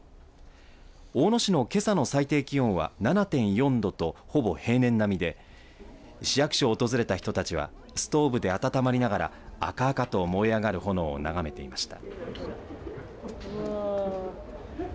大野市のけさの最低気温は７．４度とほぼ平年並みで市役所を訪れた人たちはストーブで温まりながらあかあかと燃え上がる炎を眺めていました。